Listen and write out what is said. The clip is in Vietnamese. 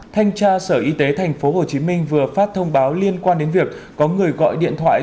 thanh tra sở y tế tp hcm vừa phát thông báo liên quan đến việc có người gọi điện thoại